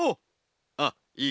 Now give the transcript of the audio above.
あっいい